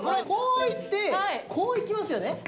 こういって、こういきますよね？